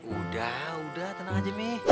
udah udah tenang aja nih